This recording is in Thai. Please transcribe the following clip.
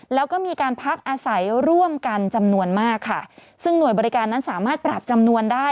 แล้วก็มีการพักอาศัยร่วมกันจำนวนมากค่ะซึ่งหน่วยบริการนั้นสามารถปรับจำนวนได้